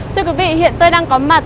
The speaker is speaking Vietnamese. thưa quý vị hiện tôi đang có mặt